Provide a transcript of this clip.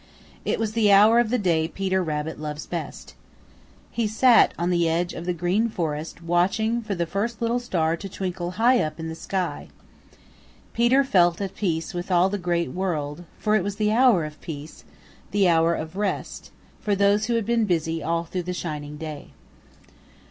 It was the hour of the day Peter Rabbit loves best. He sat on the edge of the Green Forest watching for the first little star to twinkle high up in the sky. Peter felt at peace with all the Great World, for it was the hour of peace, the hour of rest for those who had been busy all through the shining day.